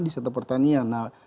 di setelah pertanian nah